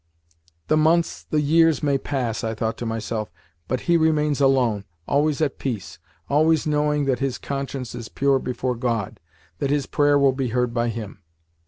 "The months, the years, may pass," I thought to myself, "but he remains alone always at peace, always knowing that his conscience is pure before God, that his prayer will be heard by Him."